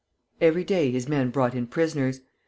Every day his men brought in prisoners.